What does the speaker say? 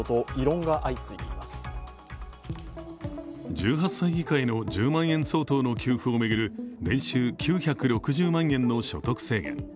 １８歳以下への１０万円相当の給付を巡る年収９６０万円の所得制限。